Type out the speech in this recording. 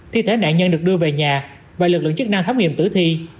thi thể nạn nhân được đưa về nhà và lực lượng chức năng khám nghiệm tử thi